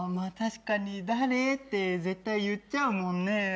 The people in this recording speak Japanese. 確かに誰？って絶対言っちゃうもんね。